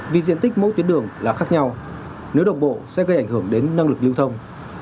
vì diện tích mỗi tuyến đường là khác nhau nếu đồng bộ sẽ gây ảnh hưởng đến năng lực lưu thông